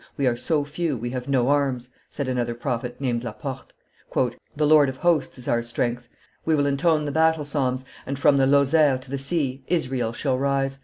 we are so few; we have no arms!" said another prophet, named Laporte. "The Lord of hosts is our strength! We will intone the battle psalms, and, from the Lozere to the sea, Israel shall arise!